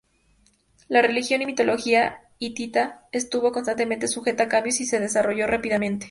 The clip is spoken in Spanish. La religión y mitología hitita estuvo constantemente sujeta a cambios y se desarrolló rápidamente.